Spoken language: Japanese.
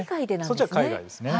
そっちは海外ですね。